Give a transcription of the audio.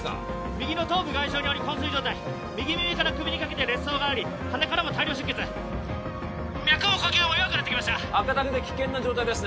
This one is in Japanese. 右の頭部外傷により昏睡状態右耳から首にかけて裂創があり鼻からも大量出血脈も呼吸も弱くなってきました赤タグで危険な状態ですね